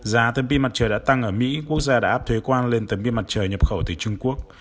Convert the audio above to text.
giá tấm pin mặt trời đã tăng ở mỹ quốc gia đã áp thuế quan lên tấm pin mặt trời nhập khẩu từ trung quốc